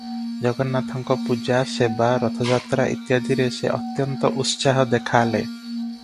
ଜଗନ୍ନାଥଙ୍କ ପୂଜା, ସେବା, ରଥଯାତ୍ରା ଇତ୍ୟାଦିରେ ସେ ଅତ୍ୟନ୍ତ ଉତ୍ସାହ ଦେଖାଲେ ।